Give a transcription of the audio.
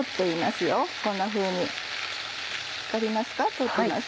通ってます。